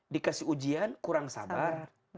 dikasih ujian kurang sabar